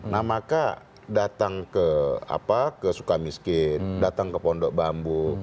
nah maka datang ke suka miskin datang ke pondok bambu